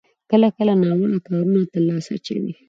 کله کله ناوړه کارونو ته لاس اچوي.